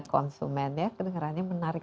konsumen kedengerannya menarik